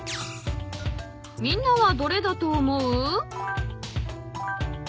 ［みんなはどれだと思う？］